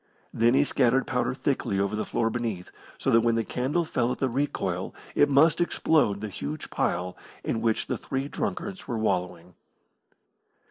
Thin he scattered powder thickly over the floor beneath, so that when the candle fell at the recoil it must explode the huge pile in which the three drunkards were wallowing.